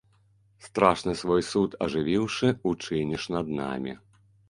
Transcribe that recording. Страшны свой суд, ажывіўшы, учыніш над намі.